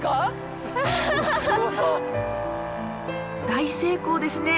大成功ですね。